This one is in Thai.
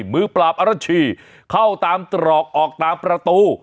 มือปราบอลชีเข้าตามตรอกออกตามประตู